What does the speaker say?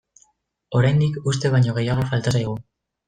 Oraindik uste baino gehiago falta zaigu.